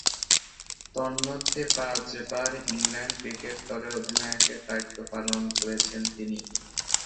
তন্মধ্যে, পাঁচবার England cricket দলের অধিনায়কের দায়িত্ব পালন করেছেন তিনি।